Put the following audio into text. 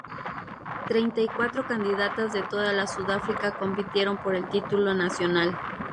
Treinta y cuatro candidatas de toda la Sudáfrica compitieron por el título nacional.